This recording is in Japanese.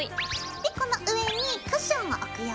でこの上にクッションを置くよ。